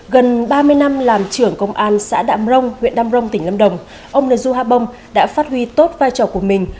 gần ba mươi năm làm trưởng công an xã đạm rông huyện đạm rông tỉnh lâm đồng ông nờ du ha bông đã phát huy tốt vai trò của mình